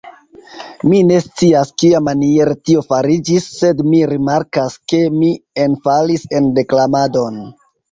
Mi ne scias, kiamaniere tio fariĝis, sed mi rimarkas, ke mi enfalis en deklamadon!